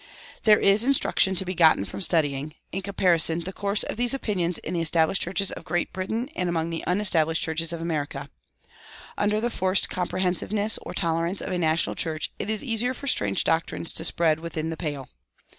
There is instruction to be gotten from studying, in comparison, the course of these opinions in the established churches of Great Britain and among the unestablished churches of America. Under the enforced comprehensiveness or tolerance of a national church, it is easier for strange doctrines to spread within the pale.